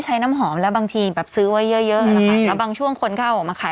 ใช้น้ำหอมแล้วบางทีซื้อไว้เยอะแล้วบางช่วงคนก็เอาออกมาขาย